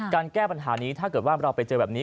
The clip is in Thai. แก้ปัญหานี้ถ้าเกิดว่าเราไปเจอแบบนี้